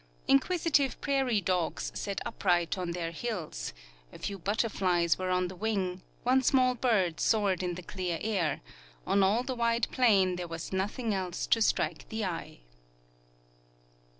Inquisitive prairie dogs sat upright on their hills, a few butter flies were on the Aving, one small bird soared in the clear air ; on all the wide plain there Avas nothing else to strike the eye.